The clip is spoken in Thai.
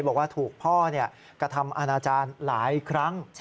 บอกว่าถูกพ่อกระทำอาณาจารย์หลายครั้ง